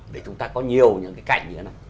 để chúng ta có nhiều những cái cảnh như thế này